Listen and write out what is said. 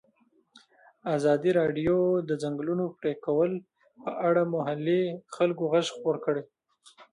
ازادي راډیو د د ځنګلونو پرېکول په اړه د محلي خلکو غږ خپور کړی.